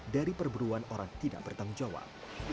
dari perburuan orang tidak bertanggung jawab